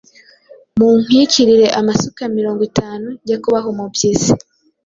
Munkwikirire amasuka mirongo itanu njye kubaha umubyizi.”